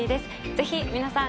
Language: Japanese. ぜひ皆さん